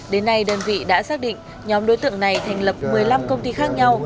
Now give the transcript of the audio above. đến nay đơn vị đã xác định nhóm đối tượng này thành lập một mươi năm công ty khác nhau